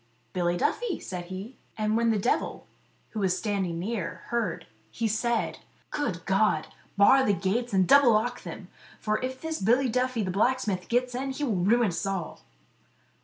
"Billy Duffy," said he. And when the devil, who was standing near, heard, he said : "Good God ! bar the gates and double lock them, for if this Billy Duffy the blacksmith gets in he will ruin us all."